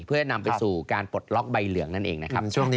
เพื่อนำไปสู่การปลดล็อกใบเหลืองนั่นเองนะครับ